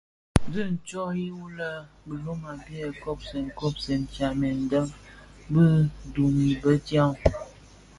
Dhi ntsoyi wu lè biloma biè kobsèn kobsèn tyamèn deň bi duň yi bëdiaň.